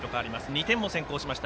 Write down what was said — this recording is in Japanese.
２点を先行しました